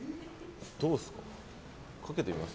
どうですか？